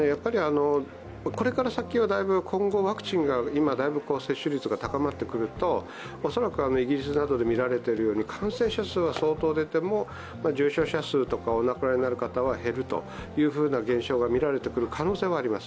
これから先は、今後、ワクチンが今、だいぶ接種率が高まってくると恐らくイギリスなどで見られているように、感染者数は相当出ても重症者数とか、お亡くなりになる方は減るという現象が見られてくる可能性はあります。